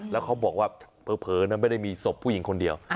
แล้วเขาบอกว่าเผลอไม่ได้มีศพผู้หญิงคนเดียว